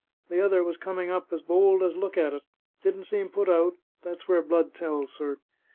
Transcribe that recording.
The other was coming up, as bold as look at it; didn't seem put out that's where blood tells, sir!